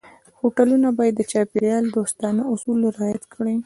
هوټلونه باید د چاپېریال دوستانه اصول رعایت کړي.